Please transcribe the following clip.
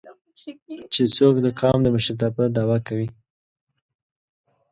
چې څوک د قام د مشرتابه دعوه کوي